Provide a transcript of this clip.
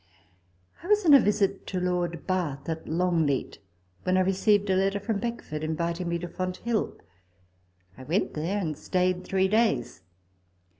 I was on a visit to Lord Bath at Longleat, when I received a letter from Beckford inviting me to Fonthill. I went there, and stayed three days.